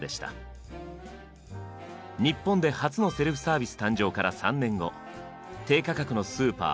日本で初のセルフサービス誕生から３年後低価格のスーパー